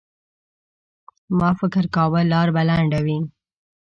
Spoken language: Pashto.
ما فکر کاوه لاره به لنډه وي.